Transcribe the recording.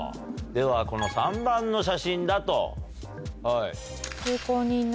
ではこの３番の写真だと。